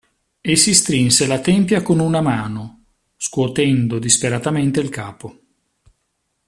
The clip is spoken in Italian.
E si strinse le tempia con una mano, scuotendo disperatamente il capo.